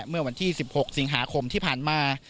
เมื่อวันที่๑๖สิงหาคมที่ผ่านมา